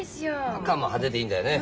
赤も派手でいいんだよね。